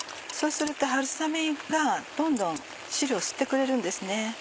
そうすると春雨がどんどん汁を吸ってくれるんです。